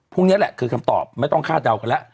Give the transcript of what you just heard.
นี่แหละคือคำตอบไม่ต้องคาดเดากันแล้ว